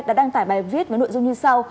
đã đăng tải bài viết với nội dung như sau